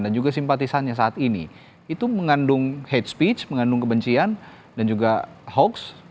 dan juga simpatisannya saat ini itu mengandung hate speech mengandung kebencian dan juga hoax